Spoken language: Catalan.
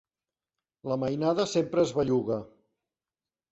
La mainada sempre es belluga.